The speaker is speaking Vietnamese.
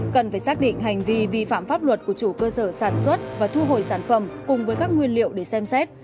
cần phải xác định hành vi vi phạm pháp luật của chủ cơ sở sản xuất và thu hồi sản phẩm cùng với các nguyên liệu để xem xét